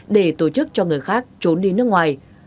để tổ chức cho người khác trốn đi nước ngoài